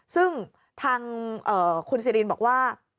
ซึ่งทางคุณสิรินบอกว่า